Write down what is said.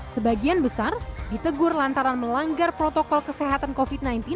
sebagian besar ditegur lantaran melanggar protokol kesehatan covid sembilan belas